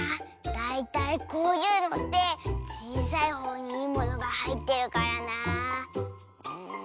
だいたいこういうのってちいさいほうにいいものがはいってるからなあ。